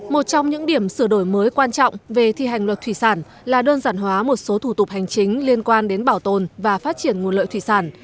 một trong những điểm sửa đổi mới quan trọng về thi hành luật thủy sản là đơn giản hóa một số thủ tục hành chính liên quan đến bảo tồn và phát triển nguồn lợi thủy sản